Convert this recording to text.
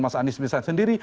mas anies misalnya sendiri